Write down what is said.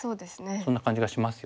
そんな感じがしますよね。